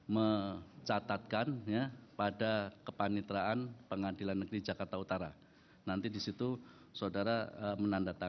mempunyai hak untuk mengajukan upaya hukum